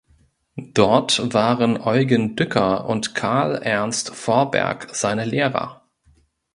Dort waren Eugen Dücker und Carl Ernst Forberg seine Lehrer.